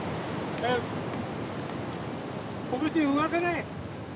拳動かさない。